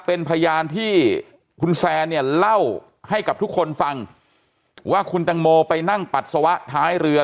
เป็นพยานที่คุณแซนเนี่ยเล่าให้กับทุกคนฟังว่าคุณตังโมไปนั่งปัสสาวะท้ายเรือ